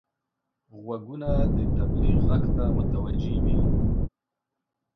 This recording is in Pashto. غوږونه د تبلیغ غږ ته متوجه وي